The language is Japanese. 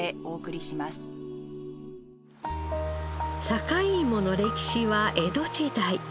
坂井芋の歴史は江戸時代